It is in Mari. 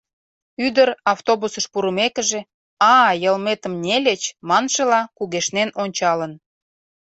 Ӱдыр, автобусыш пурымекыже, «А-а, йылметым нельыч» маншыла, кугешнен ончалын.